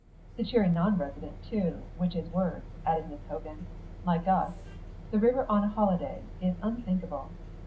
"The cheery non resident, too, which is worse," added Miss Hogan. "Like us. The river on a holiday is unthinkable.